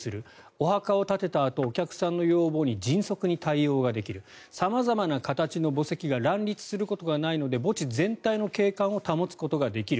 お墓を建てたあとお客さんの要望に迅速に対応できる様々な形の墓石が乱立することがないので墓地全体の景観を保つことができる。